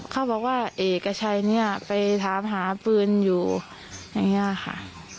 เขาบอกว่าเอกชัยเนี่ยไปถามหาปืนอยู่อย่างนี้ค่ะ